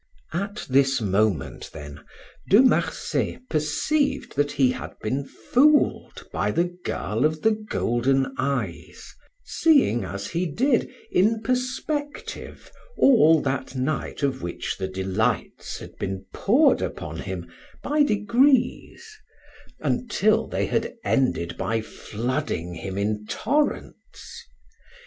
At this moment, then, De Marsay perceived that he had been fooled by the girl of the golden eyes, seeing, as he did, in perspective, all that night of which the delights had been poured upon him by degrees until they had ended by flooding him in torrents.